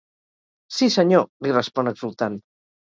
Sí, senyor —li respon exultant—.